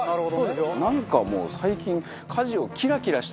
なんかもう最近。